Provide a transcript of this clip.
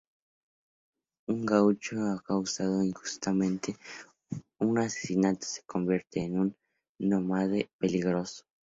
Un gaucho acusado injustamente de un asesinato se convierte en un nómade peligroso.